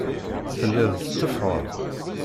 Telliḍ tetteffɣeḍ.